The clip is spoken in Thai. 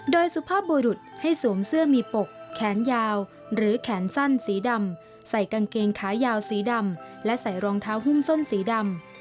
โดยสุภาพบุรุษให้สวมเสื้อมีปกแขนยาวหรือแขนสั้นสีดำใส่กางเกงขายาวสีดำและใส่รองเท้าหุ้มส้นสีดำ